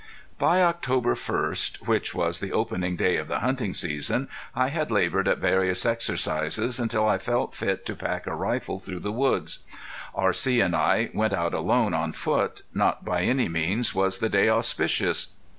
By October first, which was the opening day of the hunting season, I had labored at various exercises until I felt fit to pack a rifle through the woods. R.C. and I went out alone on foot. Not by any means was the day auspicious.